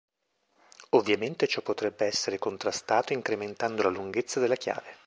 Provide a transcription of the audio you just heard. Ovviamente, ciò potrebbe essere contrastato incrementando la lunghezza della chiave.